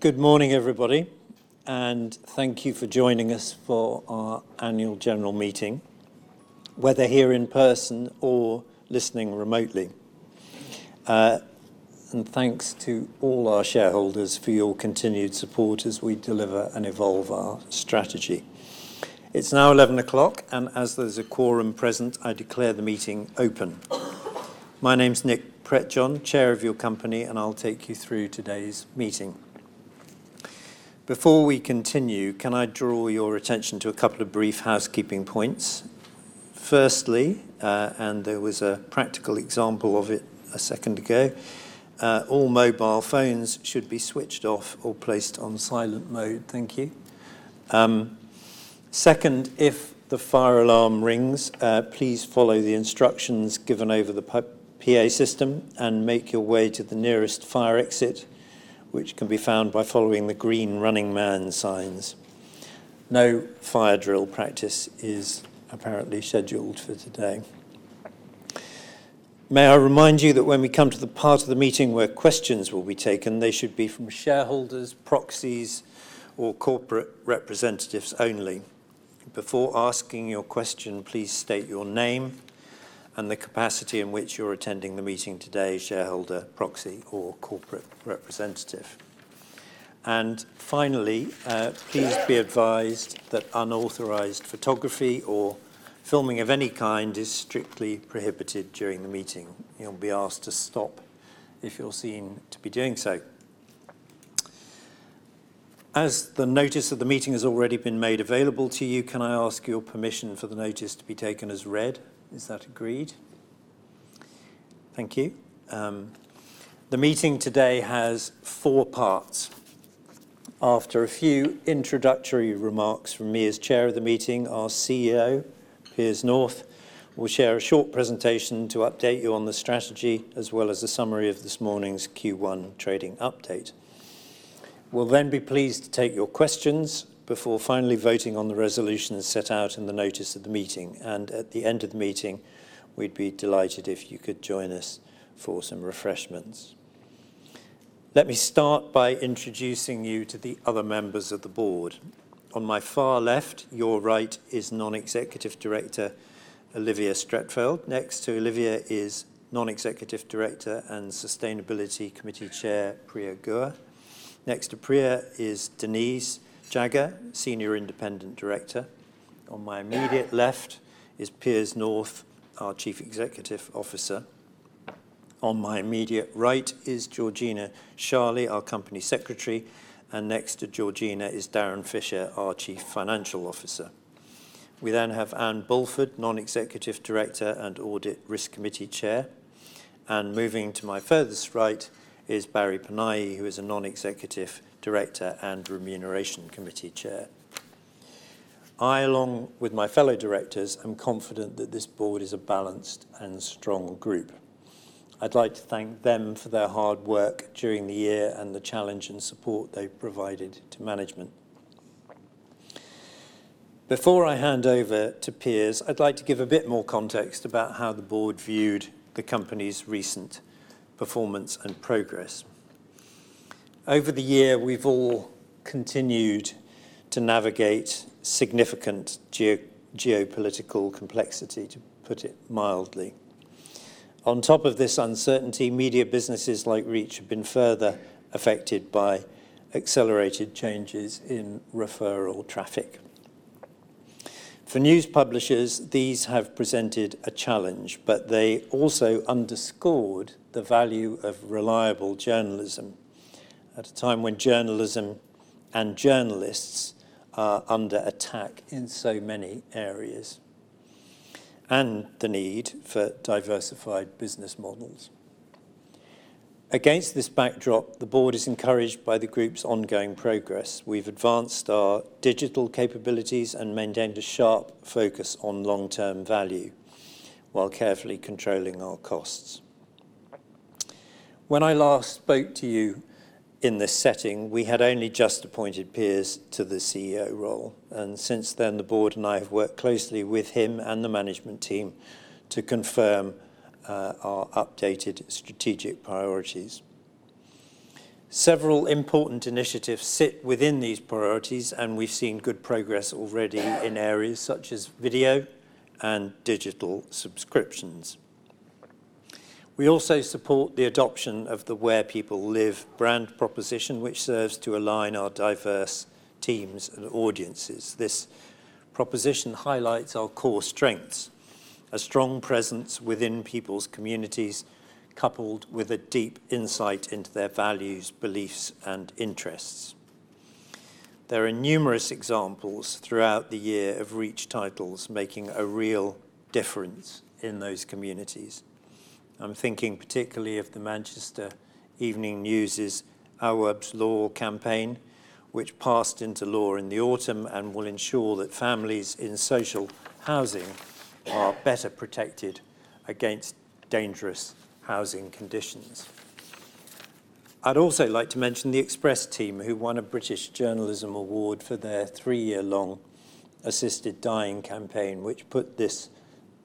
Good morning, everybody. Thank you for joining us for our Annual General Meeting, whether here in person or listening remotely. Thanks to all our shareholders for your continued support as we deliver and evolve our strategy. It's now 11:00 A.M., and as there's a quorum present, I declare the meeting open. My name's Nick Prettejohn, Chair of your company, and I'll take you through today's meeting. Before we continue, can I draw your attention to a couple of brief housekeeping points? Firstly, there was a practical example of it a second ago, all mobile phones should be switched off or placed on silent mode, thank you. Second, if the fire alarm rings, please follow the instructions given over the PA system and make your way to the nearest fire exit, which can be found by following the green running man signs. No fire drill practice is apparently scheduled for today. May I remind you that when we come to the part of the meeting where questions will be taken, they should be from shareholders, proxies or corporate representatives only. Before asking your question, please state your name and the capacity in which you're attending the meeting today, shareholder, proxy or corporate representative. Finally, please be advised that unauthorized photography or filming of any kind is strictly prohibited during the meeting. You'll be asked to stop if you're seen to be doing so. As the Notice of the Meeting has already been made available to you, can I ask your permission for the notice to be taken as read? Is that agreed? Thank you. The meeting today has four parts. After a few introductory remarks from me as Chair of the meeting, our CEO, Piers North, will share a short presentation to update you on the strategy as well as a summary of this morning's Q1 trading update. We'll then be pleased to take your questions before finally voting on the resolutions set out in the notice of the meeting. At the end of the meeting, we'd be delighted if you could join us for some refreshments. Let me start by introducing you to the other members of the Board. On my far left, your right, is Non-Executive Director Olivia Streatfeild. Next to Olivia is Non-Executive Director and Sustainability Committee Chair, Priya Guha. Next to Priya is Denise Jagger, Senior Independent Director. On my immediate left is Piers North, our Chief Executive Officer. On my immediate right is Georgina Sharley, our Company Secretary. Next to Georgina is Darren Fisher, our Chief Financial Officer. We have Anne Bulford, Non-Executive Director and Audit & Risk Committee Chair. Moving to my furthest right is Barry Panayi, who is a Non-Executive Director and Remuneration Committee Chair. I, along with my fellow directors, am confident that this Board is a balanced and strong group. I'd like to thank them for their hard work during the year and the challenge and support they've provided to management. Before I hand over to Piers, I'd like to give a bit more context about how the Board viewed the company's recent performance and progress. Over the year, we've all continued to navigate significant geopolitical complexity, to put it mildly. On top of this uncertainty, media businesses like Reach have been further affected by accelerated changes in referral traffic. For news publishers, these have presented a challenge, they also underscored the value of reliable journalism at a time when journalism and journalists are under attack in so many areas, and the need for diversified business models. Against this backdrop, the Board is encouraged by the group's ongoing progress. We've advanced our digital capabilities and maintained a sharp focus on long-term value while carefully controlling our costs. When I last spoke to you in this setting, we had only just appointed Piers North to the CEO role, since then, the Board and I have worked closely with him and the management team to confirm our updated strategic priorities. Several important initiatives sit within these priorities, we've seen good progress already in areas such as video and digital subscriptions. We also support the adoption of the Where People Live brand proposition, which serves to align our diverse teams and audiences. This proposition highlights our core strengths, a strong presence within people's communities, coupled with a deep insight into their values, beliefs, and interests. There are numerous examples throughout the year of Reach titles making a real difference in those communities. I'm thinking particularly of the Manchester Evening News, Awaab's Law campaign, which passed into law in the autumn and will ensure that families in social housing are better protected against dangerous housing conditions. I'd also like to mention the Express team, who won a British Journalism Award for their 3-year-long Assisted Dying campaign, which put this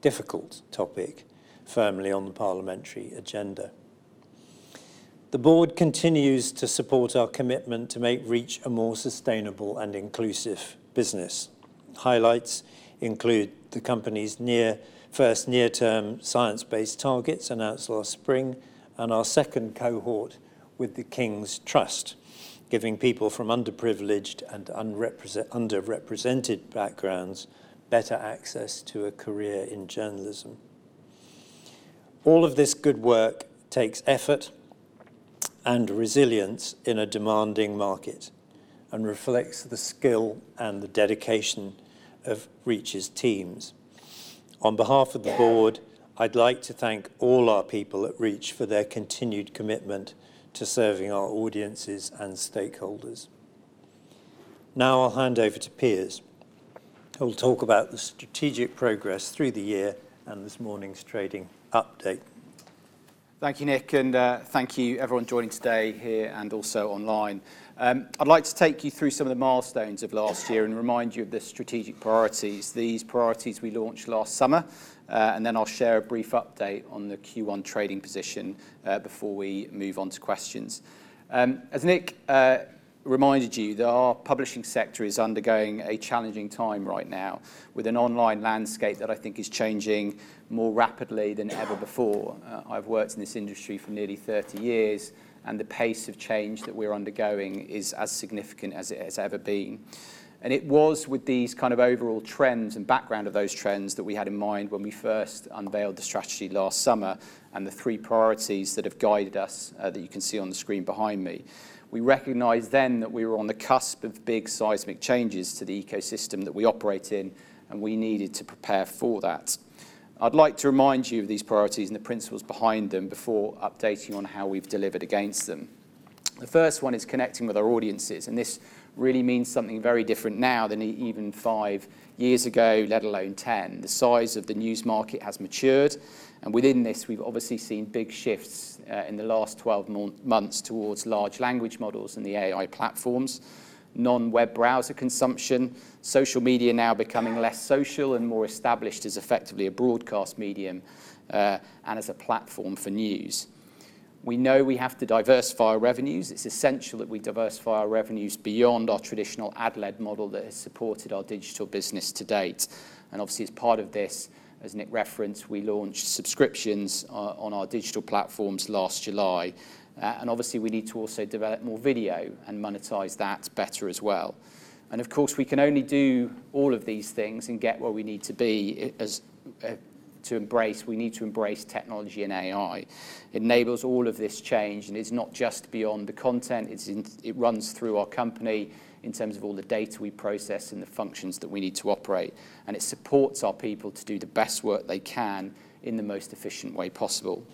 difficult topic firmly on the parliamentary agenda. The Board continues to support our commitment to make Reach a more sustainable and inclusive business. Highlights include the company's first near-term science-based targets announced last spring, our second cohort with The King's Trust, giving people from underprivileged and underrepresented backgrounds better access to a career in journalism. All of this good work takes effort and resilience in a demanding market, and reflects the skill and the dedication of Reach's teams. On behalf of the Board, I'd like to thank all our people at Reach for their continued commitment to serving our audiences and stakeholders. I'll hand over to Piers, who will talk about the strategic progress through the year and this morning's trading update. Thank you, Nick, and thank you everyone joining today here and also online. I'd like to take you through some of the milestones of last year and remind you of the strategic priorities, these priorities we launched last summer. Then I'll share a brief update on the Q1 trading position before we move on to questions. As Nick reminded you, that our publishing sector is undergoing a challenging time right now, with an online landscape that I think is changing more rapidly than ever before. I've worked in this industry for nearly 30 years, the pace of change that we're undergoing is as significant as it has ever been. It was with these kind of overall trends and background of those trends that we had in mind when we first unveiled the strategy last summer, and the three priorities that have guided us that you can see on the screen behind me. We recognized then that we were on the cusp of big seismic changes to the ecosystem that we operate in, and we needed to prepare for that. I'd like to remind you of these priorities and the principles behind them before updating on how we've delivered against them. The first one is connecting with our audiences, and this really means something very different now than even five years ago, let alone 10. The size of the news market has matured, and within this we've obviously seen big shifts in the last 12 months towards large language models and the AI platforms, non-web browser consumption, social media now becoming less social and more established as effectively a broadcast medium, and as a platform for news. We know we have to diversify our revenues. It's essential that we diversify our revenues beyond our traditional ad-led model that has supported our digital business to date. Obviously, as part of this, as Nick referenced, we launched subscriptions on our digital platforms last July. Obviously we need to also develop more video and monetize that better as well. Of course, we can only do all of these things and get where we need to be to embrace, we need to embrace technology and AI. It enables all of this change. It's not just beyond the content, it runs through our company in terms of all the data we process and the functions that we need to operate. It supports our people to do the best work they can in the most efficient way possible.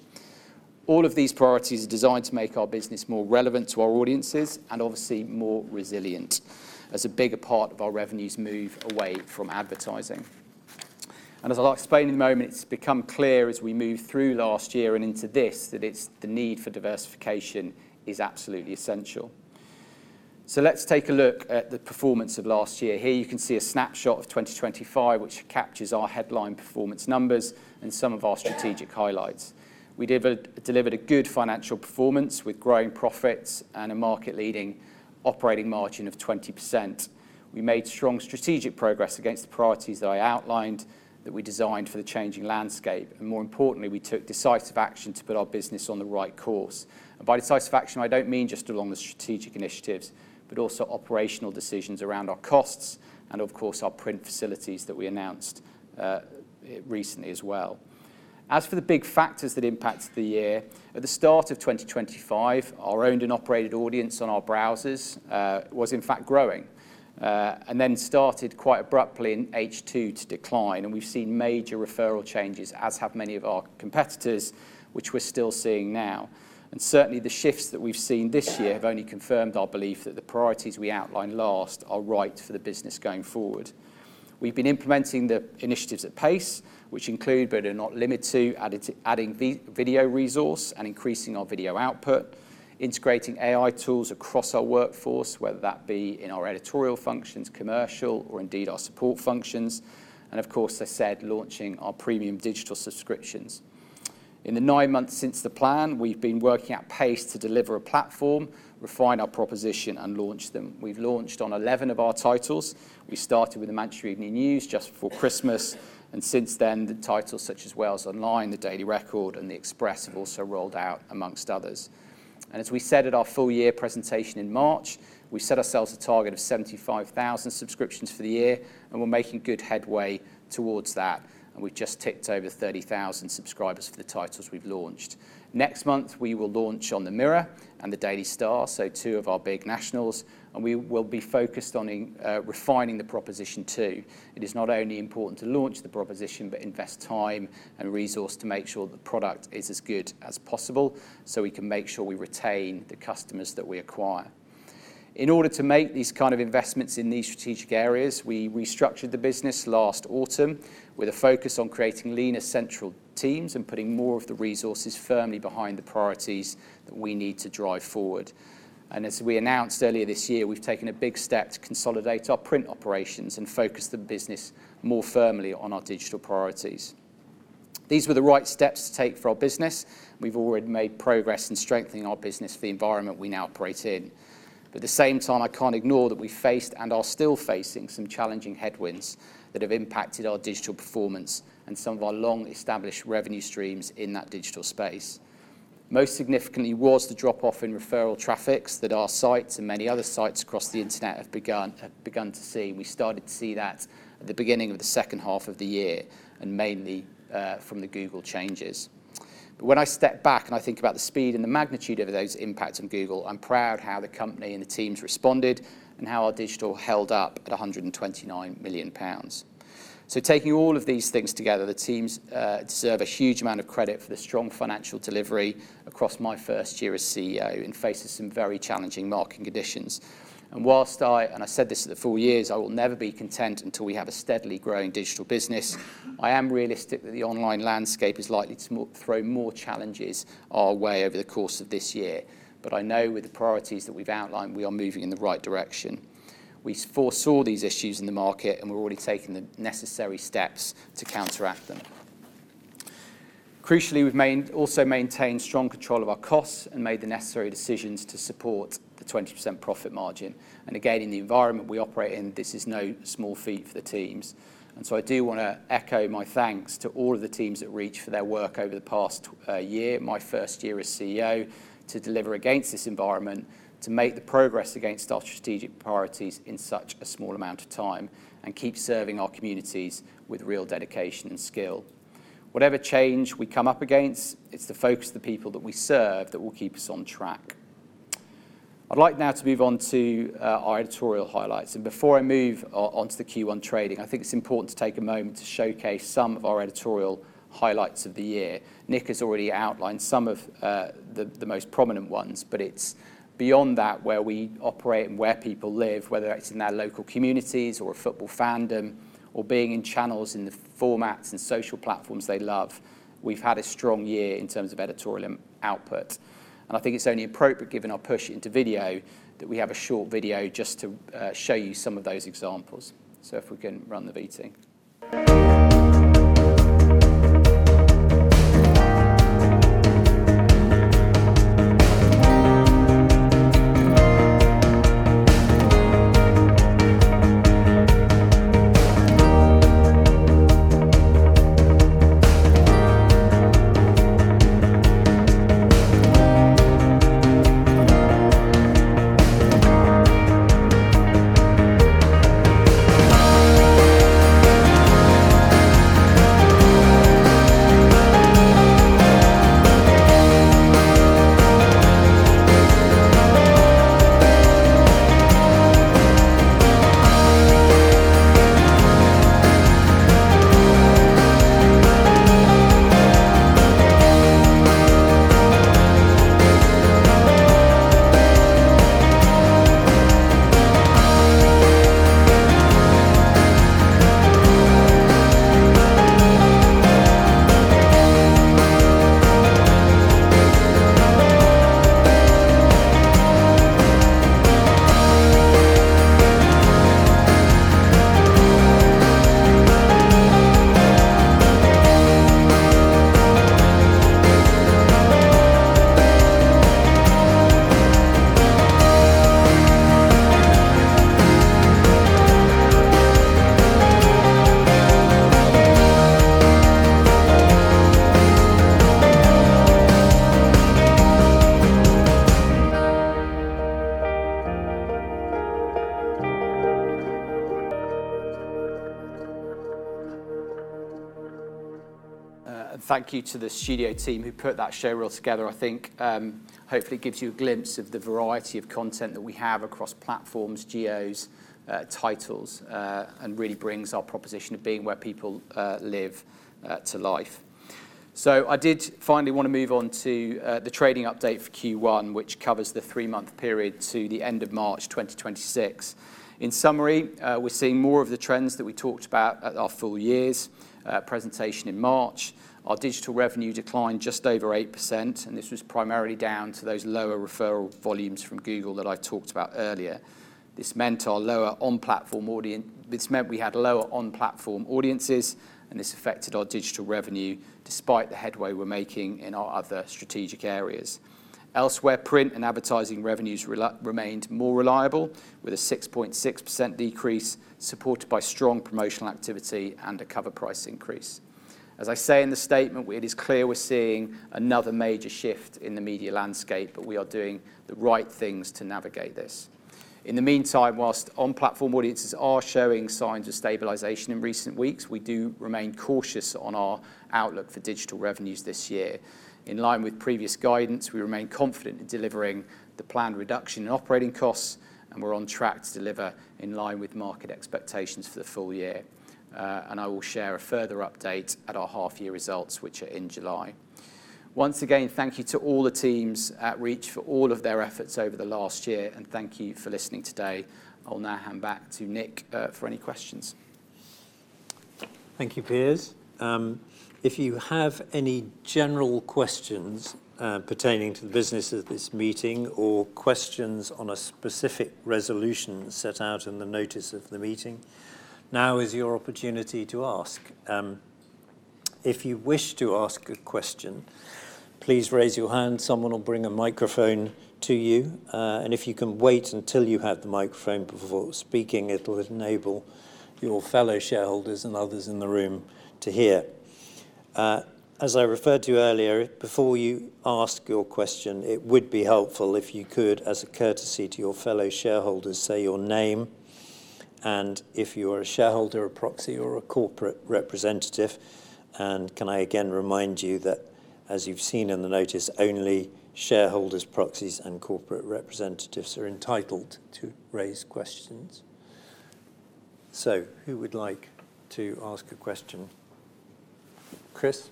All of these priorities are designed to make our business more relevant to our audiences, and obviously more resilient as a bigger part of our revenues move away from advertising. As I'll explain in a moment, it's become clear as we move through last year and into this, that it's the need for diversification is absolutely essential. Let's take a look at the performance of last year. Here you can see a snapshot of 2025, which captures our headline performance numbers and some of our strategic highlights. We delivered a good financial performance with growing profits and a market-leading operating margin of 20%. We made strong strategic progress against the priorities that I outlined that we designed for the changing landscape, and more importantly, we took decisive action to put our business on the right course. By decisive action, I don't mean just along the strategic initiatives. But also operational decisions around our costs and, of course, our print facilities that we announced recently as well. As for the big factors that impacted the year, at the start of 2025, our owned and operated audience on our browsers was in fact growing, and then started quite abruptly in H2 to decline, and we've seen major referral changes, as have many of our competitors, which we're still seeing now. Certainly the shifts that we've seen this year have only confirmed our belief that the priorities we outlined last are right for the business going forward. We've been implementing the initiatives at pace, which include but are not limited to, adding video resource and increasing our video output, integrating AI tools across our workforce, whether that be in our editorial functions, commercial, or indeed our support functions, and of course, as I said, launching our premium digital subscriptions. In the nine months since the plan, we've been working at pace to deliver a platform, refine our proposition, and launch them. We've launched on 11 of our titles. We started with the Manchester Evening News just before Christmas, and since then, the titles such as WalesOnline, the Daily Record, and The Express have also rolled out, amongst others. As we said at our full-year presentation in March, we set ourselves a target of 75,000 subscriptions for the year, and we're making good headway towards that, and we've just ticked over 30,000 subscribers for the titles we've launched. Next month, we will launch on The Mirror and the Daily Star, two of our big nationals, and we will be focused on refining the proposition too. It is not only important to launch the proposition, but invest time and resource to make sure the product is as good as possible so we can make sure we retain the customers that we acquire. In order to make these kind of investments in these strategic areas. We restructured the business last autumn with a focus on creating leaner central teams and putting more of the resources firmly behind the priorities that we need to drive forward. As we announced earlier this year, we've taken a big step to consolidate our print operations and focus the business more firmly on our digital priorities. These were the right steps to take for our business. We've already made progress in strengthening our business for the environment we now operate in. At the same time, I can't ignore that we faced, and are still facing, some challenging headwinds that have impacted our digital performance and some of our long-established revenue streams in that digital space. Most significantly was the drop-off in referral traffics that our sites and many other sites across the internet have begun to see. We started to see that at the beginning of the second half of the year, and mainly from the Google changes. When I step back and I think about the speed and the magnitude of those impacts on Google, I'm proud how the company and the teams responded, and how our digital held up at 129 million pounds. Taking all of these things together, the teams deserve a huge amount of credit for the strong financial delivery across my first year as CEO in the face of some very challenging market conditions. Whilst I, and I said this at the full years, I will never be content until we have a steadily growing digital business, I am realistic that the online landscape is likely to throw more challenges our way over the course of this year. I know with the priorities that we've outlined, we are moving in the right direction. We foresaw these issues in the market, and we're already taking the necessary steps to counteract them. Crucially, we've maintained strong control of our costs and made the necessary decisions to support the 20% profit margin. Again, in the environment we operate in, this is no small feat for the teams. So I do wanna echo my thanks to all of the teams at Reach for their work over the past year, my first year as CEO, to deliver against this environment, to make the progress against our strategic priorities in such a small amount of time, and keep serving our communities with real dedication and skill. Whatever change we come up against, it's the focus of the people that we serve that will keep us on track. I'd like now to move on to our editorial highlights. Before I move onto the Q1 trading, I think it's important to take a moment to showcase some of our editorial highlights of the year. Nick has already outlined some of the most prominent ones, but it's beyond that where we operate and Where People Live, whether that's in their local communities, or a football fandom, or being in channels in the formats and social platforms they love. We've had a strong year in terms of editorial output, and I think it's only appropriate given our push into video that we have a short video just to show you some of those examples. If we can run the VT. Thank you to the studio team who put that showreel together. I think, hopefully it gives you a glimpse of the variety of content that we have across platforms, geos, titles, and really brings our proposition of being where people live to life. I did finally wanna move on to the trading update for Q1, which covers the 3-month period to the end of March 2026. In summary, we're seeing more of the trends that we talked about at our full year's presentation in March. Our digital revenue declined just over 8%. This was primarily down to those lower referral volumes from Google that I talked about earlier. This meant we had lower on-platform audiences, and this affected our digital revenue despite the headway we're making in our other strategic areas. Elsewhere, print and advertising revenues remained more reliable, with a 6.6% decrease supported by strong promotional activity and a cover price increase. As I say in the statement, it is clear we're seeing another major shift in the media landscape, but we are doing the right things to navigate this. In the meantime, whilst on-platform audiences are showing signs of stabilization in recent weeks, we do remain cautious on our outlook for digital revenues this year. In line with previous guidance, we remain confident in delivering the planned reduction in operating costs, and we're on track to deliver in line with market expectations for the full year. I will share a further update at our half-year results, which are in July. Once again, thank you to all the teams at Reach for all of their efforts over the last year, and thank you for listening today. I'll now hand back to Nick for any questions. Thank you, Piers. If you have any general questions pertaining to the business at this meeting or questions on a specific resolution set out in the Notice of the Meeting, now is your opportunity to ask. If you wish to ask a question, please raise your hand. Someone will bring a microphone to you. If you can wait until you have the microphone before speaking, it will enable your fellow shareholders and others in the room to hear. As I referred to earlier, before you ask your question, it would be helpful if you could, as a courtesy to your fellow shareholders, say your name and if you're a shareholder, a proxy, or a corporate representative. Can I again remind you that, as you've seen in the notice, only shareholders, proxies, and corporate representatives are entitled to raise questions. Who would like to ask a question? Chris?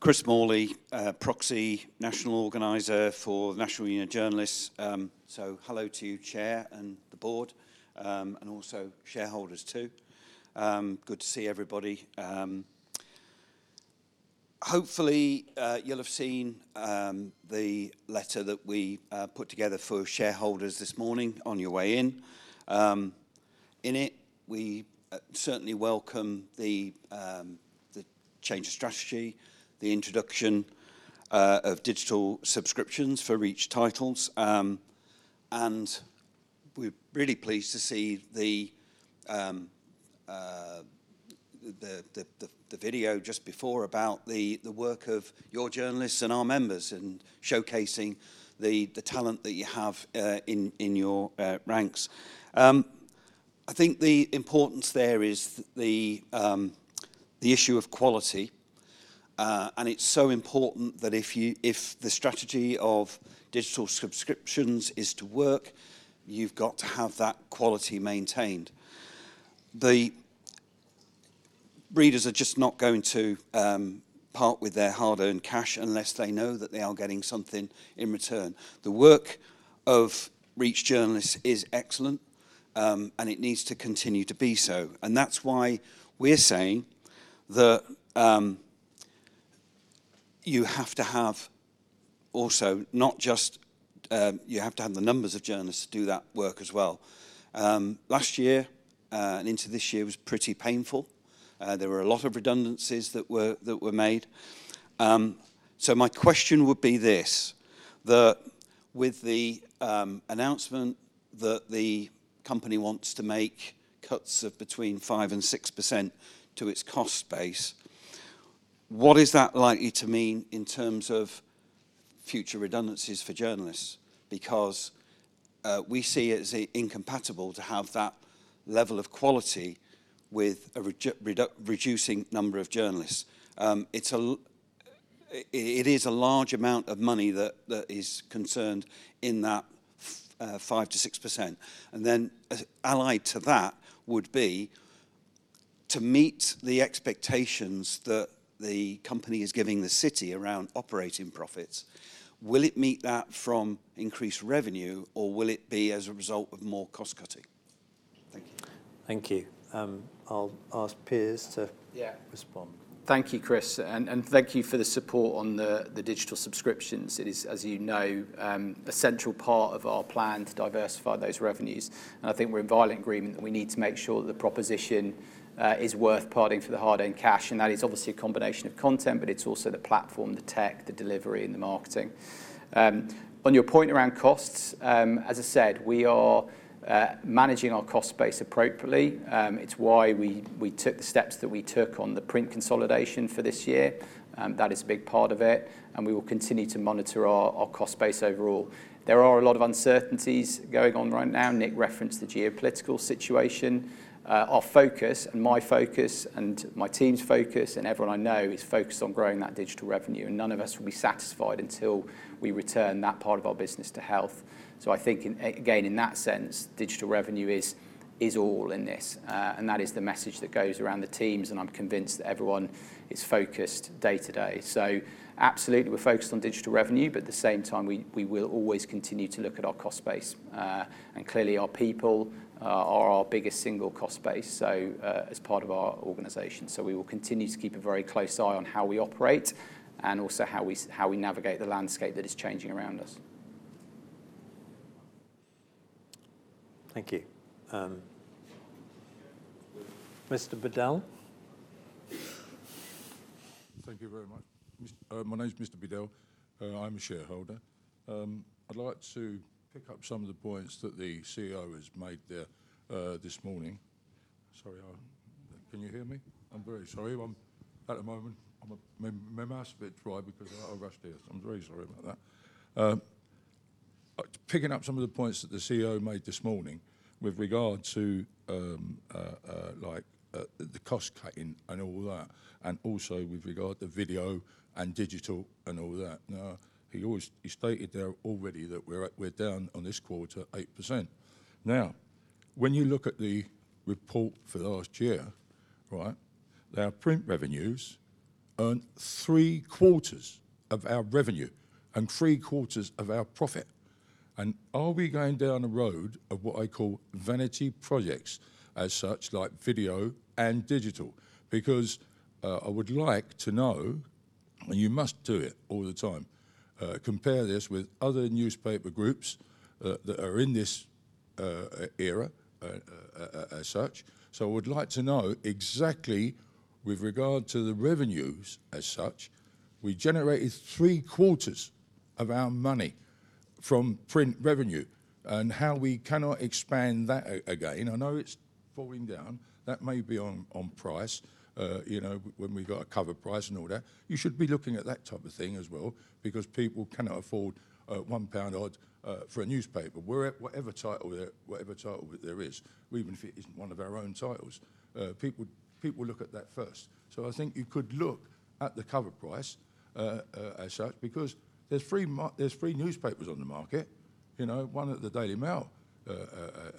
Chris Morley, Proxy, National Organizer for National Union of Journalists. Hello to you, Chair, and the Board, and also shareholders too. Good to see everybody. Hopefully, you'll have seen the letter that we put together for shareholders this morning on your way in. In it, we certainly welcome the change of strategy, the introduction of digital subscriptions for Reach titles, and we're really pleased to see the video just before about the work of your journalists and our members and showcasing the talent that you have in your ranks. I think the importance there is the issue of quality. It's so important that if you, if the strategy of digital subscriptions is to work, you've got to have that quality maintained. The readers are just not going to part with their hard-earned cash unless they know that they are getting something in return. The work of Reach journalists is excellent, and it needs to continue to be so, and that's why we're saying that you have to have also not just, you have to have the numbers of journalists to do that work as well. Last year, and into this year was pretty painful. There were a lot of redundancies that were made. My question would be this: with the announcement that the company wants to make cuts of between 5%-6% to its cost base. What is that likely to mean in terms of future redundancies for journalists? We see it as incompatible to have that level of quality with a reducing number of journalists. It is a large amount of money that is concerned in that 5%-6%. Allied to that would be, to meet the expectations that the company is giving the city around operating profits. Will it meet that from increased revenue, or will it be as a result of more cost cutting? Thank you. Thank you. I'll ask Piers. Yeah. To respond. Thank you, Chris, and thank you for the support on the digital subscriptions. It is, as you know, a central part of our plan to diversify those revenues. I think we're in violent agreement that we need to make sure the proposition is worth parting for the hard-earned cash, and that is obviously a combination of content, but it's also the platform, the tech, the delivery, and the marketing. On your point around costs, as I said, we are managing our cost base appropriately. It's why we took the steps that we took on the print consolidation for this year. That is a big part of it. We will continue to monitor our cost base overall. There are a lot of uncertainties going on right now. Nick referenced the geopolitical situation. Our focus, my focus, my team's focus, everyone I know is focused on growing that digital revenue. None of us will be satisfied until we return that part of our business to health. I think again, in that sense, digital revenue is all in this. That is the message that goes around the teams. I'm convinced that everyone is focused day to day. Absolutely, we're focused on digital revenue, but at the same time, we will always continue to look at our cost base. Clearly, our people are our biggest single cost base as part of our organization. We will continue to keep a very close eye on how we operate and also how we navigate the landscape that is changing around us. Thank you. Mr. Bedell? Thank you very much. My name's Mr. Bedell, and I'm a shareholder. I'd like to pick up some of the points that the CEO has made there this morning. Sorry, can you hear me? I'm very sorry. At the moment, my mouth's a bit dry because I rushed here. I'm very sorry about that. Picking up some of the points that the CEO made this morning with regard to the cost cutting and all that, and also with regard to video and digital and all that. He stated there already that we're down on this quarter 8%. When you look at the report for the last year, right, our print revenues earned three quarters of our revenue and three quarters of our profit. Are we going down a road of what I call vanity projects as such, like video and digital? I would like to know. You must do it all the time. Compare this with other newspaper groups that are in this era as such. We'd like to know exactly with regard to the revenues as such, we generated three quarters of our money from print revenue, and how we cannot expand that again. I know it's falling down. That may be on price, you know, when we got a cover price and all that. You should be looking at that type of thing as well because people cannot afford 1 pound odd for a newspaper. Whatever title there, whatever title there is, or even if it isn't one of our own titles, people look at that first. I think you could look at the cover price as such because there's free newspapers on the market. You know, one at the Daily Mail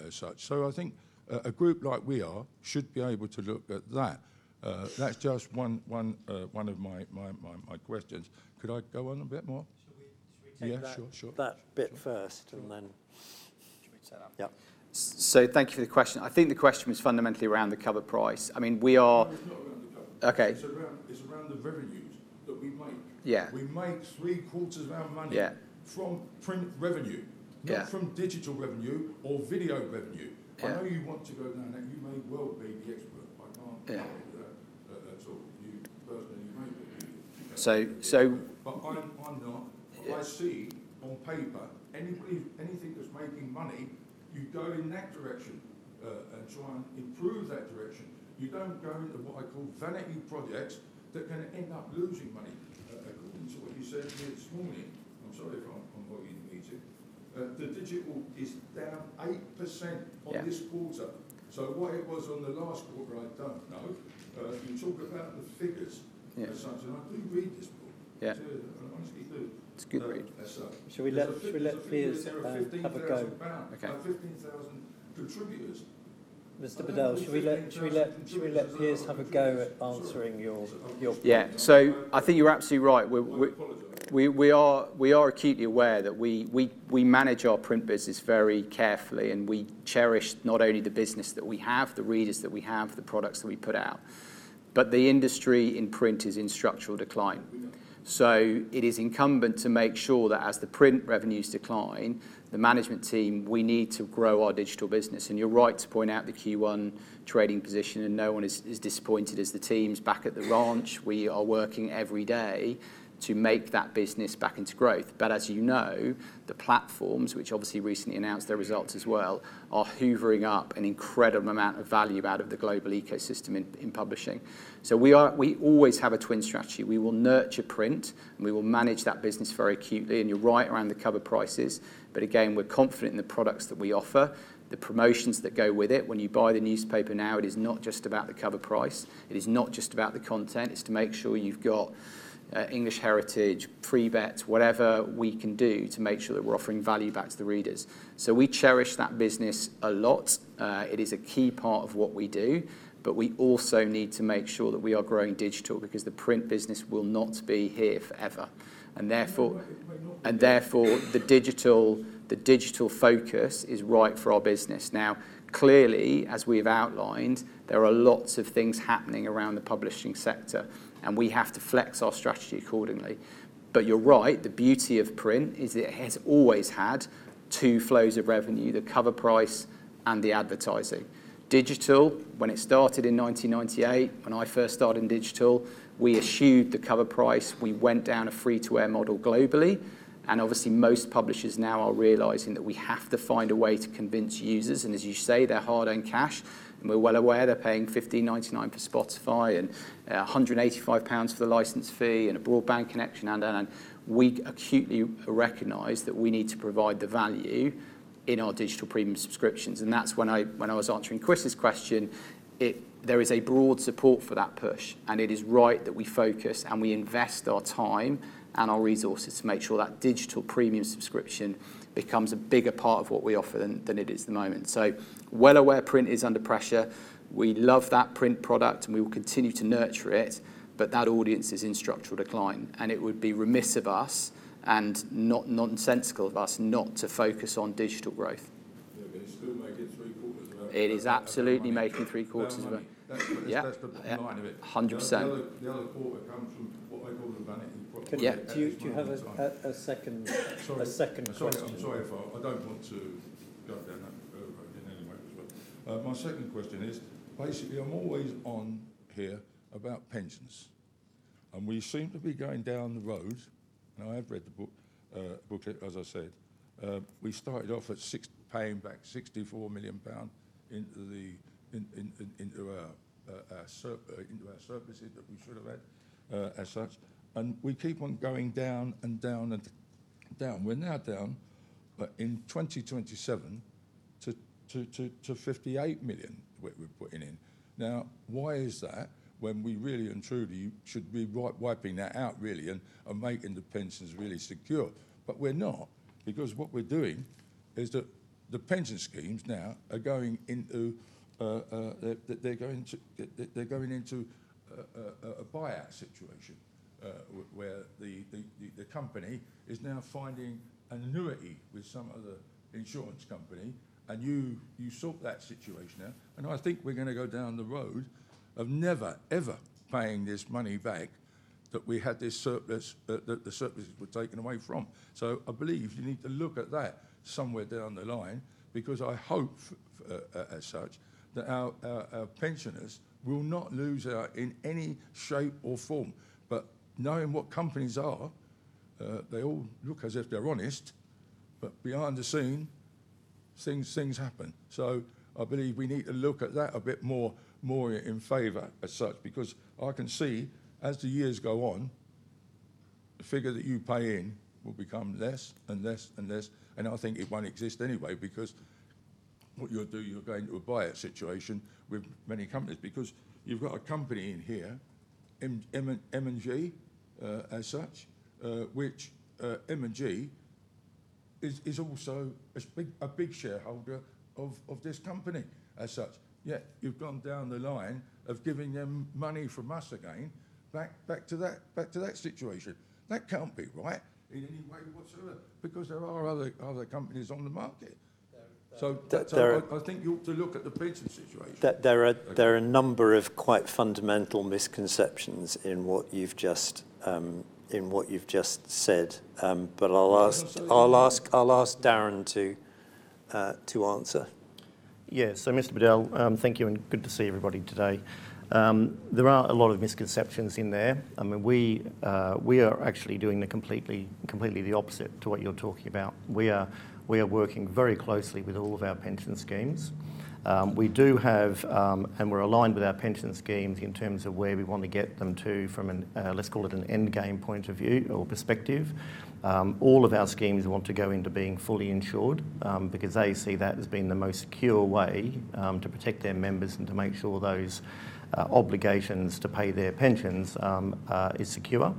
as such. I think a group like we are should be able to look at that. That's just one of my questions. Could I go on a bit more? Shall we take that? Yeah, sure. That bit first and then. Shall we take that up? Yeah. Thank you for the question. I think the question was fundamentally around the cover price. I mean. No, it's not around the cover price. Okay. It's around the revenues that we make. Yeah. We make three quarters of our money. Yeah. From print revenue. Yeah. Not from digital revenue or video revenue. Yeah. I know you want to go down that. You may well be the expert. Yeah. Argue with that at all. You personally may be. So? I'm not. What I see on paper, anybody, anything that's making money, you go in that direction, and try and improve that direction. You don't go into what I call vanity projects that can end up losing money. According to what you said here this morning, I'm sorry if I'm cutting you in bits here. The digital is down 8%. Yeah. On this quarter. What it was on the last quarter, I don't know. you talk about the figures. Yeah. As such, I do read this book. Yeah. I do. I honestly do. It's a good read. As such. Shall we let Piers have a go? Okay. 15,000 contributors. Mr. Bedell, shall we let Piers have a go at answering your question? Yeah. I think you're absolutely right. I apologize. We are acutely aware that we manage our print business very carefully, and we cherish not only the business that we have, the readers that we have, the products that we put out, but the industry in print is in structural decline. We know. It is incumbent to make sure that as the print revenues decline, the management team, we need to grow our digital business, and you're right to point out the Q1 trading position, and no one is disappointed as the teams back at the ranch. We are working every day to make that business back into growth. As you know, the platforms, which obviously recently announced their results as well, are hoovering up an incredible amount of value out of the global ecosystem in publishing. We always have a twin strategy. We will nurture print, and we will manage that business very acutely, and you're right around the cover prices. Again, we're confident in the products that we offer, the promotions that go with it. When you buy the newspaper now, it is not just about the cover price. It is not just about the content. It's to make sure you've got, English Heritage, free bets, whatever we can do to make sure that we're offering value back to the readers. We cherish that business a lot. It is a key part of what we do. We also need to make sure that we are growing digital because the print business will not be here forever. Therefore the digital, the digital focus is right for our business. Clearly, as we've outlined, there are lots of things happening around the publishing sector, and we have to flex our strategy accordingly. You're right. The beauty of print is it has always had two flows of revenue, the cover price and the advertising. Digital, when it started in 1998, when I first started in digital, we eschewed the cover price. We went down a free-to-air model globally. Obviously most publishers now are realizing that we have to find a way to convince users, and as you say, their hard-earned cash. We're well aware they're paying 15.99 for Spotify and 185 pounds for the license fee and a broadband connection and that. And we acutely recognize that we need to provide the value in our digital premium subscriptions. That's when I, when I was answering Chris's question, there is a broad support for that push, and it is right that we focus and we invest our time and our resources to make sure that digital premium subscription becomes a bigger part of what we offer than it is at the moment. We are well aware print is under pressure. We love that print product, and we will continue to nurture it. That audience is in structural decline, and it would be remiss of us and not nonsensical of us not to focus on digital growth. Yeah, it's still making three quarters of our money. It is absolutely making three quarters of our money. That money. That's the bottom line of it. 100%. The other quarter comes from what they call the vanity projects. Yeah. Do you have a second? Sorry, a second question? Sorry. I'm sorry if I don't want to go down that road in any way as well. My second question is, basically I'm always on here about pensions, and we seem to be going down the road, and I have read the book, booklet, as I said. We started off at six, paying back 64 million pounds into our services that we should have had as such. We keep on going down and down and down. We're now down in 2027 to 58 million we're putting in. Why is that when we really and truly should be wiping that out really and making the pensions really secure? We're not, because what we're doing is that the pension schemes now are going into, they're going into a buyout situation where the company is now finding an annuity with some other insurance company, and you sort that situation out. I think we're gonna go down the road of never ever paying this money back, that we had this surplus, the surpluses were taken away from. I believe you need to look at that somewhere down the line because I hope as such, that our pensioners will not lose out in any shape or form. Knowing what companies are, they all look as if they're honest, but behind the scene, things happen. I believe we need to look at that a bit more, more in favor as such, because I can see as the years go on, the figure that you pay in will become less and less and less, and I think it won't exist anyway because what you'll do, you'll go into a buyer situation with many companies. You've got a company in here, M&G, as such, which M&G is also a big shareholder of this company as such, yet you've gone down the line of giving them money from us again back to that situation. That can't be right in any way whatsoever because there are other companies on the market. Darren? I think you ought to look at the pension situation. There are a number of quite fundamental misconceptions in what you've just, in what you've just said. I'll ask. No, absolutely. I'll ask Darren to answer. Yeah. Mr. Bedell, thank you and good to see everybody today. There are a lot of misconceptions in there. I mean, we are actually doing the completely opposite to what you're talking about. We are working very closely with all of our pension schemes. We do have, and we're aligned with our pension schemes in terms of where we wanna get them to from an, let's call it an endgame point of view or perspective. All of our schemes want to go into being fully insured, because they see that as being the most secure way to protect their members and to make sure those obligations to pay their pensions is secure.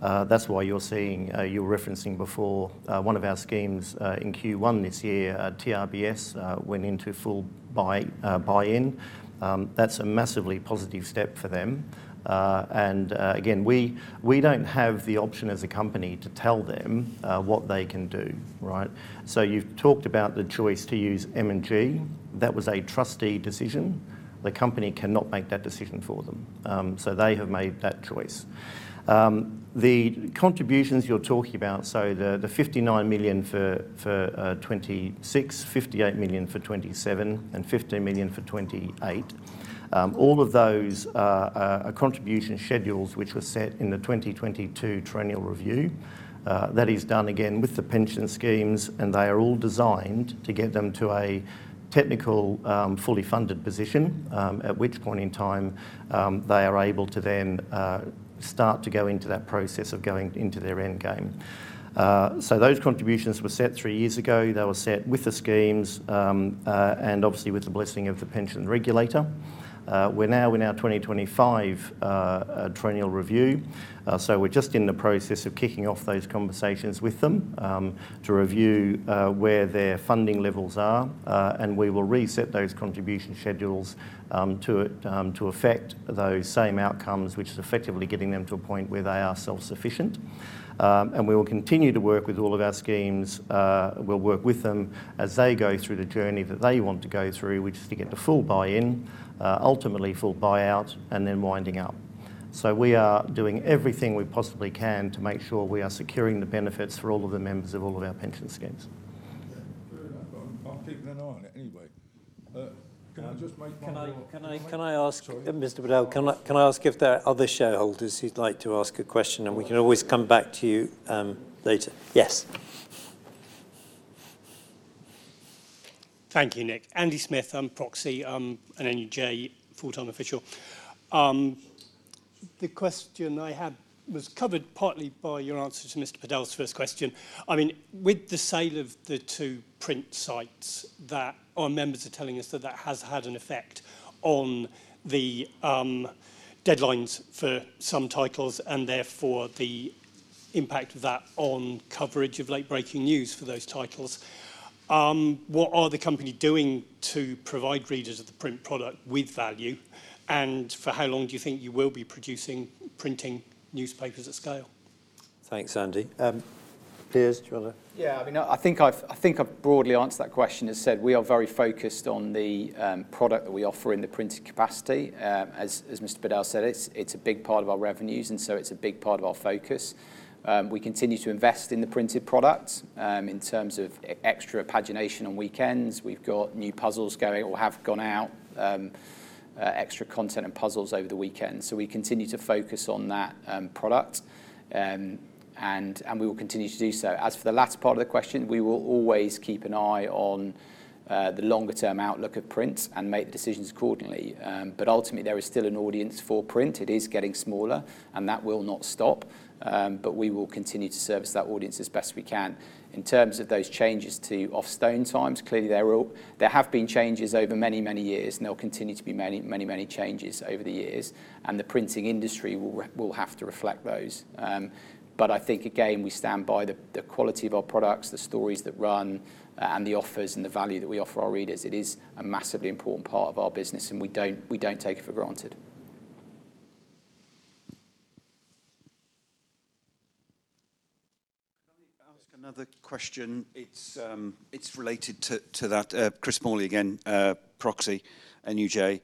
That's why you're seeing, you were referencing before, one of our schemes in Q1 this year, TRBS went into full buy-in. That's a massively positive step for them. Again, we don't have the option as a company to tell them what they can do, right? You've talked about the choice to use M&G. That was a trustee decision. The company cannot make that decision for them. They have made that choice. The contributions you're talking about, so the 59 million for 2026, 58 million for 2027, and 15 million for 2028, all of those are contribution schedules which were set in the 2022 triennial review. That is done again with the pension schemes, and they are all designed to get them to a technical, fully funded position, at which point in time, they are able to then, start to go into that process of going into their endgame. Those contributions were set three years ago. They were set with the schemes, and obviously with the blessing of the pension regulator. We're now in our 2025 triennial review. We're just in the process of kicking off those conversations with them, to review where their funding levels are. We will reset those contribution schedules, to affect those same outcomes, which is effectively getting them to a point where they are self-sufficient. We will continue to work with all of our schemes. We'll work with them as they go through the journey that they want to go through, which is to get to full buy-in, ultimately full buyout, and then winding up. We are doing everything we possibly can to make sure we are securing the benefits for all of the members of all of our pension schemes. Yeah. Fair enough. I'm keeping an eye on it anyway. Can I ask? Sorry. Mr. Bedell, can I ask if there are other shareholders who'd like to ask a question? We can always come back to you later. Yes. Thank you, Nick. Andy Smith, I'm Proxy, an NUJ full-time official. The question I had was covered partly by your answer to Mr. Bedell's first question. I mean, with the sale of the two print sites that our members are telling us that that has had an effect on the deadlines for some titles. And therefore the impact of that on coverage of late-breaking news for those titles, what are the company doing to provide readers of the print product with value? For how long do you think you will be producing, printing newspapers at scale? Thanks, Andy. Piers? I mean, I think I've broadly answered that question. As said, we are very focused on the product that we offer in the printing capacity. As Mr. Bedell said, it's a big part of our revenues, so it's a big part of our focus. We continue to invest in the printed product. In terms of extra pagination on weekends, we've got new puzzles going or have gone out, extra content and puzzles over the weekend. We continue to focus on that product. We will continue to do so. As for the last part of the question, we will always keep an eye on the longer term outlook of print and make decisions accordingly. Ultimately, there is still an audience for print. It is getting smaller. That will not stop. We will continue to service that audience as best we can. In terms of those changes to off-stone times, there have been changes over many, many years. There will continue to be many, many, many changes over the years. The printing industry will have to reflect those. I think again, we stand by the quality of our products, the stories that run, and the offers and the value that we offer our readers. It is a massively important part of our business. We don't take it for granted. Another question. It's related to that. Chris Morley again, proxy and NUJ.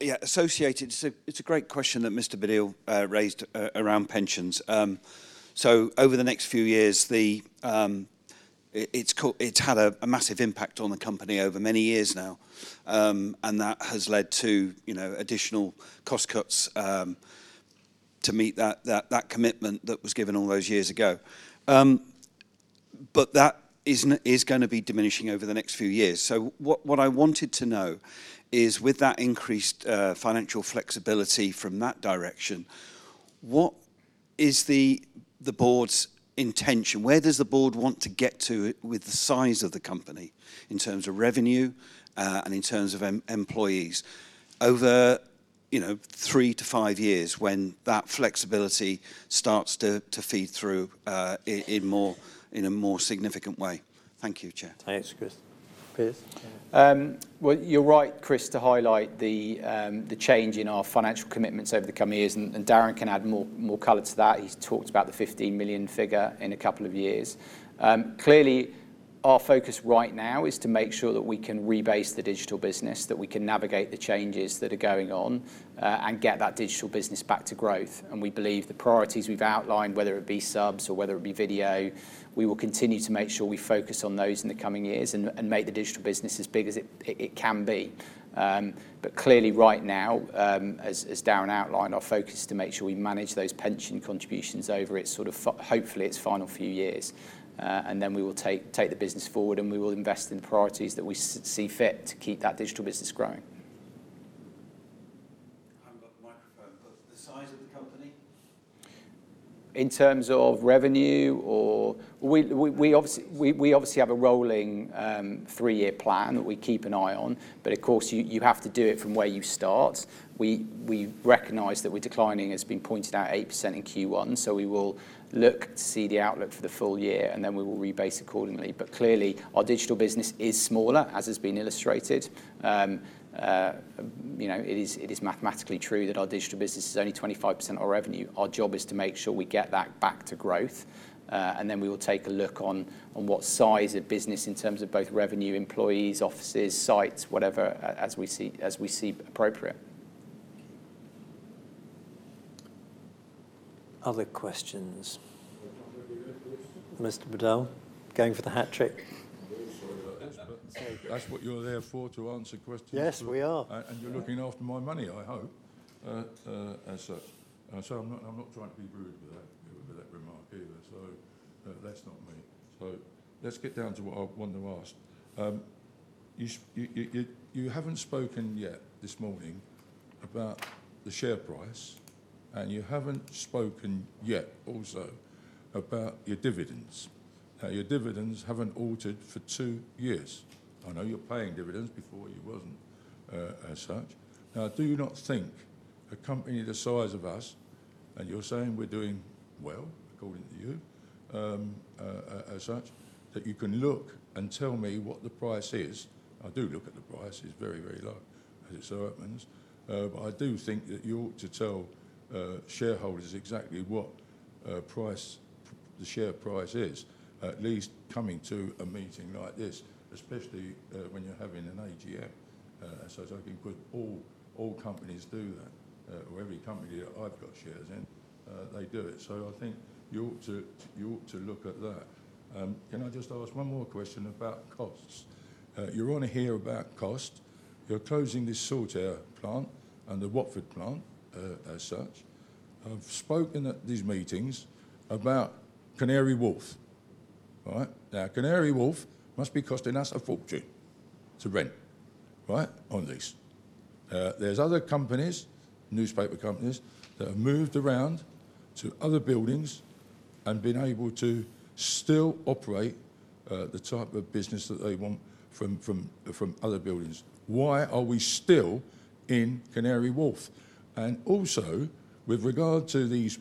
Yeah, associated. It's a great question that Mr. Bedell raised around pensions. Over the next few years, it's had a massive impact on the company over many years now. That has led to, you know, additional cost cuts to meet that commitment that was given all those years ago. That is gonna be diminishing over the next few years. What I wanted to know is with that increased financial flexibility from that direction? What is the Board's intention? Where does the Board want to get to with the size of the company in terms of revenue, and in terms of employees over, you know, three to five years when that flexibility starts to feed through, in more, in a more significant way? Thank you, Chair. Thanks, Chris. Piers? Well, you're right, Chris, to highlight the change in our financial commitments over the coming years. Darren can add more color to that. He's talked about the 15 million figure in a couple of years. Clearly our focus right now is to make sure that we can rebase the digital business, that we can navigate the changes that are going on, get that digital business back to growth. We believe the priorities we've outlined, whether it be subs or whether it be video, we will continue to make sure we focus on those in the coming years and make the digital business as big as it can be. Clearly right now, as Darren outlined, our focus is to make sure we manage those pension contributions over its sort of hopefully its final few years. Then we will take the business forward, we will invest in priorities that we see fit to keep that digital business growing. The size of the company? In terms of revenue, we obviously have a rolling 3-year plan that we keep an eye on. Of course, you have to do it from where you start. We recognize that we're declining, as been pointed out, 8% in Q1. We will look to see the outlook for the full year, then we will rebase accordingly. Clearly our digital business is smaller, as has been illustrated. You know, it is mathematically true that our digital business is only 25% of our revenue. Our job is to make sure we get that back to growth. Then we will take a look on what size of business in terms of both revenue, employees, offices, sites, whatever, as we see appropriate. Other questions. Mr. Bedell, going for the hat trick. I'm very sorry about this, but that's what you're there for, to answer questions. Yes, we are. You're looking after my money, I hope, as, I'm not trying to be rude with that remark either. That's not me. Let's get down to what I wanted to ask. You haven't spoken yet this morning about the share price, and you haven't spoken yet also about your dividends. Your dividends haven't altered for two years. I know you're paying dividends. Before you wasn't as such. Do you not think a company the size of us, and you're saying we're doing well according to you, as such, that you can look and tell me what the price is? I do look at the price. It's very low, as it so happens. I do think that you ought to tell shareholders exactly what price, the share price is, at least coming to a meeting like this, especially when you're having an AGM, so it's open, good. All companies do that. Every company that I've got shares in, they do it. I think you ought to look at that. Can I just ask one more question about costs? You wanna hear about cost. You're closing this Saltire plant and the Watford plant as such. I've spoken at these meetings about Canary Wharf. All right? Canary Wharf must be costing us a fortune to rent, right, on a lease. There's other companies, newspaper companies, that have moved around to other buildings and been able to still operate the type of business that they want from other buildings. Why are we still in Canary Wharf? With regard to these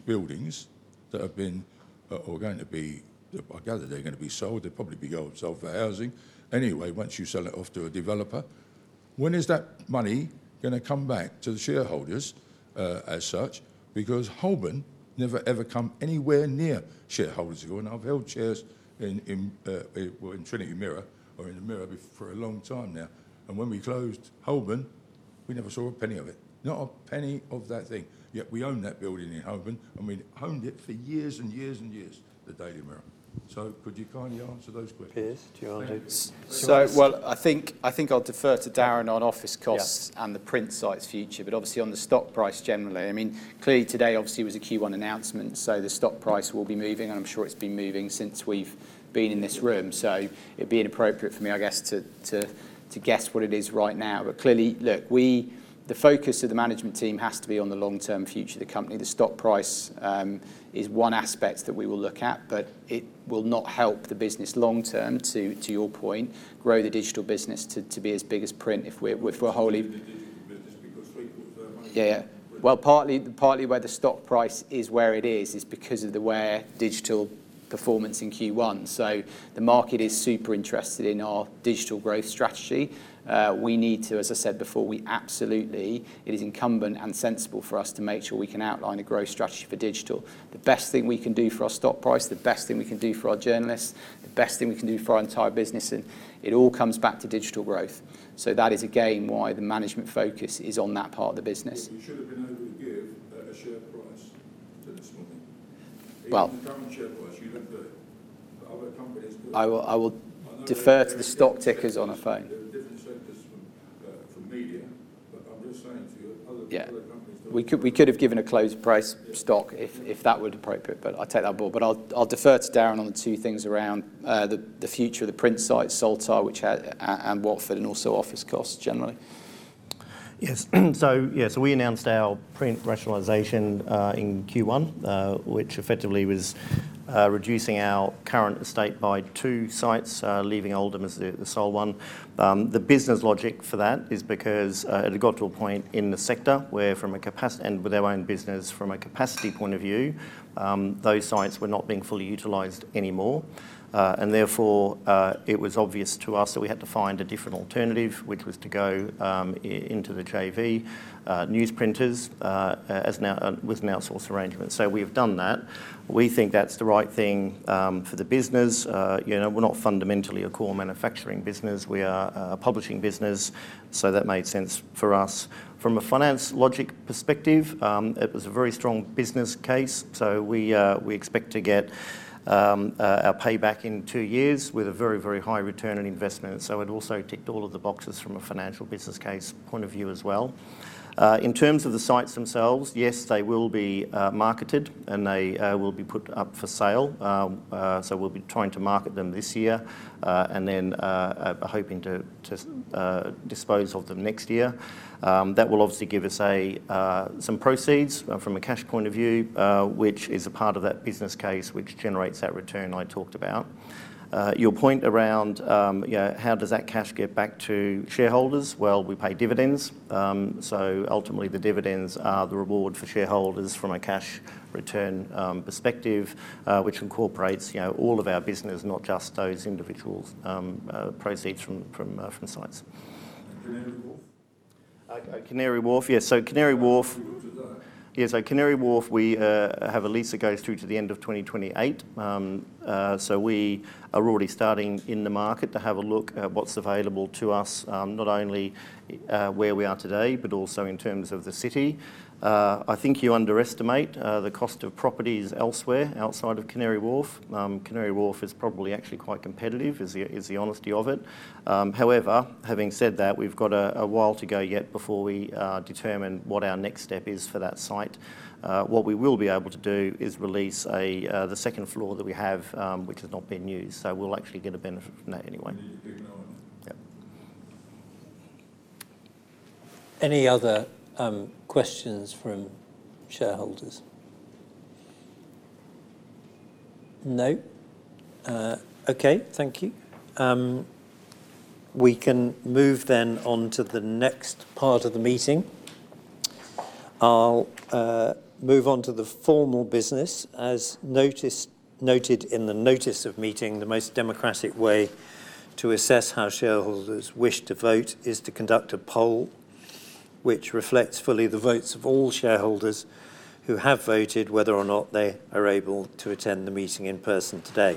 buildings that have been or are going to be, I gather they're gonna be sold. They'll probably be sold for housing. Once you sell it off to a developer, when is that money gonna come back to the shareholders as such? Holborn never ever come anywhere near shareholders ago, and I've held shares in, well, in Trinity Mirror or in The Mirror for a long time now. When we closed Holborn, we never saw a penny of it. Not a penny of that thing, yet we owned that building in Holborn, and we owned it for years and years and years, the Daily Mirror. Could you kindly answer those questions? Piers? Well, I think I'll defer to Darren on office costs. Yeah. The print site's future. Obviously on the stock price generally, clearly today obviously was a Q1 announcement, so the stock price will be moving, and I'm sure it's been moving since we've been in this room. It'd be inappropriate for me, I guess, to guess what it is right now. Clearly, the focus of the management team has to be on the long-term future of the company. The stock price is one aspect that we will look at. It will not help the business long term, to your point, grow the digital business to be as big as print if we're wholly. Yeah. Partly why the stock price is where it is is because of the digital performance in Q1. The market is super interested in our digital growth strategy. We need to, as I said before, we absolutely, it is incumbent and sensible for us to make sure we can outline a growth strategy for digital. The best thing we can do for our stock price, the best thing we can do for our journalists, the best thing we can do for our entire business, it all comes back to digital growth. That is, again, why the management focus is on that part of the business. You should've been able to give a share price to this morning. Well. Even the current share price, you look at other companies? I will defer to the stock tickers on a phone. There are different sectors from media, but I'm just saying to you. Yeah. Other companies that- We could have given a closing price stock if that were appropriate, but I take that at the Board. I'll defer to Darren on the two things around, the future of the print site Saltire, which and Watford, and also office costs generally. Yes. Yeah, so we announced our print rationalization in Q1, which effectively was reducing our current estate by two sites, leaving Oldham as the sole one. The business logic for that is because it had got to a point in the sector where from a capacity point of view, those sites were not being fully utilized anymore. And therefore, it was obvious to us that we had to find a different alternative, which was to go into the JV Newsprinters as now with outsource arrangements. We've done that. We think that's the right thing for the business. You know, we're not fundamentally a core manufacturing business, we are a publishing business, that made sense for us. From a finance logic perspective, it was a very strong business case. We expect to get our pay back in two years with a very, very high return on investment. It also ticked all of the boxes from a financial business case point of view as well. In terms of the sites themselves, yes, they will be marketed, and they will be put up for sale. We'll be trying to market them this year, and then hoping to dispose of them next year. That will obviously give us some proceeds from a cash point of view, which is a part of that business case which generates that return I talked about. Your point around, you know, how does that cash get back to shareholders? Well, we pay dividends. Ultimately the dividends are the reward for shareholders from a cash return, perspective, which incorporates, you know, all of our business, not just those individuals', proceeds from sites. Canary Wharf? Canary Wharf. Yeah, Canary Wharf. How did you do today? Canary Wharf, we have a lease that goes through to the end of 2028. We are already starting in the market to have a look at what's available to us, not only where we are today, but also in terms of the city. I think you underestimate the cost of properties elsewhere outside of Canary Wharf. Canary Wharf is probably actually quite competitive is the honesty of it. However, having said that, we've got a while to go yet before we determine what our next step is for that site. What we will be able to do is release a the second floor that we have, which has not been used. We'll actually get a benefit from that anyway. Need to be acknowledged. Yeah. Any other questions from shareholders? No? Okay. Thank you. We can move then on to the next part of the meeting. I'll move on to the formal business. As noticed, noted in the Notice of Meeting, the most democratic way to assess how shareholders wish to vote is to conduct a poll which reflects fully the votes of all shareholders who have voted, whether or not they are able to attend the meeting in person today.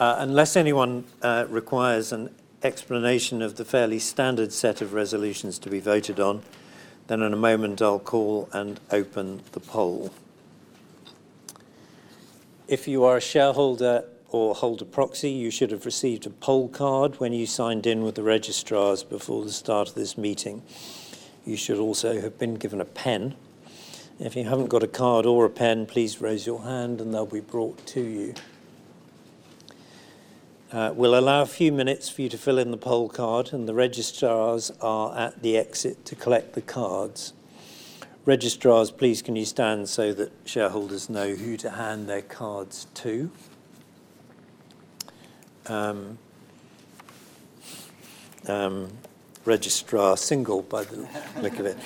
Unless anyone requires an explanation of the fairly standard set of resolutions to be voted on, then in a moment I'll call and open the poll. If you are a shareholder or hold a proxy, you should have received a poll card when you signed in with the registrars before the start of this meeting. You should also have been given a pen. If you haven't got a card or a pen, please raise your hand and they'll be brought to you. We'll allow a few minutes for you to fill in the poll card, and the registrars are at the exit to collect the cards. Registrars, please can you stand so that shareholders know who to hand their cards to? Registrar, single by the look of it.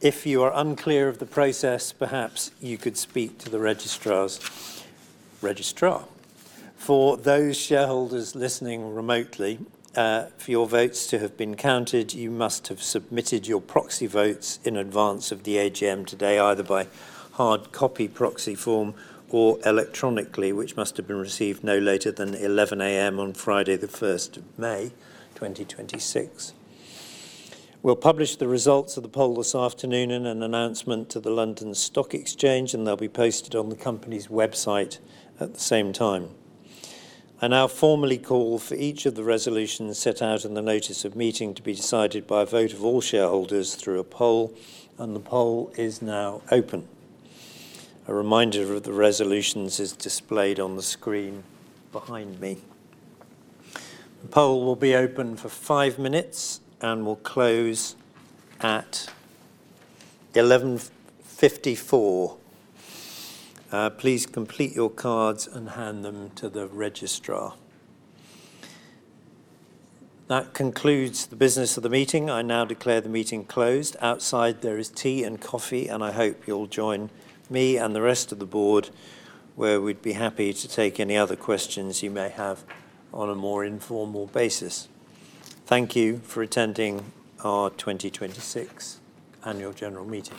If you are unclear of the process, perhaps you could speak to the registrar's registrar. For those shareholders listening remotely, for your votes to have been counted, you must have submitted your proxy votes in advance of the AGM today, either by hard copy proxy form or electronically, which must have been received no later than 11:00 A.M. on Friday, the 1st of May, 2026. We'll publish the results of the poll this afternoon in an announcement to the London Stock Exchange. They'll be posted on the company's website at the same time. I now formally call for each of the resolutions set out in the Notice of Meeting to be decided by a vote of all shareholders through a poll. The poll is now open. A reminder of the resolutions is displayed on the screen behind me. The poll will be open for five minutes and will close at 11:54 A.M. Please complete your cards and hand them to the registrar. That concludes the business of the meeting. I now declare the meeting closed. Outside there is tea and coffee. I hope you'll join me and the rest of the Board, where we'd be happy to take any other questions you may have on a more informal basis. Thank you for attending our 2026 Annual General Meeting.